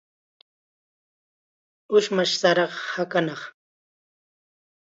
Ushmashqa sara hakanaq.